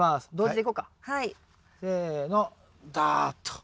せのだっと。